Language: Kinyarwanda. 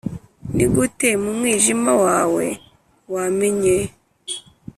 nigute, mu mwijima wawe, wamenye?